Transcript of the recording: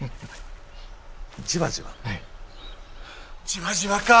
じわじわか！